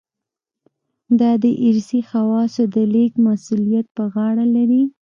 دا د ارثي خواصو د لېږد مسوولیت په غاړه لري.